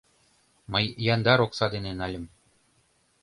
Мый яндар окса дене нальым.